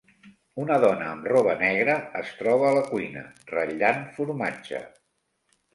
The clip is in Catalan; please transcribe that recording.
Una dona amb roba negra es troba a la cuina, ratllant formatge.